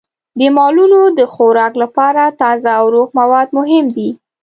د مالونو د خوراک لپاره تازه او روغ مواد مهم دي.